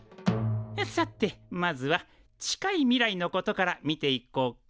さてまずは近い未来のことから見ていこうか。